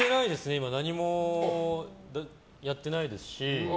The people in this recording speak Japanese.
今、何もやってないですし。